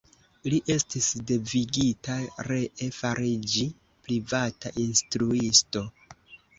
Li estis devigita ree fariĝi privata instruisto.